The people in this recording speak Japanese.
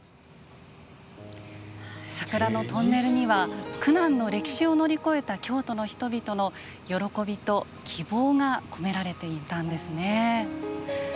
桜のトンネルには苦難の歴史を乗り越えた京都の人々の喜びと希望が込められていたんですね。